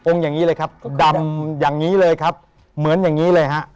อย่างนี้เลยครับดำอย่างนี้เลยครับเหมือนอย่างนี้เลยฮะ